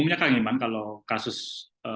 umumnya kang iman kalau kasus ini terjadi itu adalah